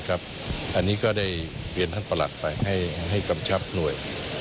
อันนี้ก็ได้เรียนท่านประหลัดไปให้กำชับหน่วย